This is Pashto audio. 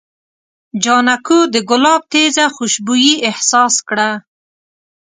جانکو د ګلاب تېزه خوشبويي احساس کړه.